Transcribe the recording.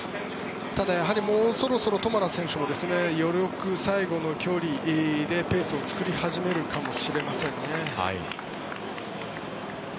ただもうそろそろトマラ選手も余力、最後の距離でペースを作り始めるかもしれませんね。